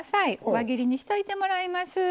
輪切りにしといてもらいます。